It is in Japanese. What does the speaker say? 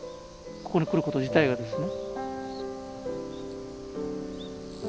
ここに来ること自体がですね。